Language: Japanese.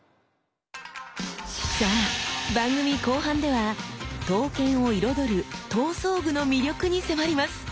さあ番組後半では刀剣を彩る刀装具の魅力に迫ります。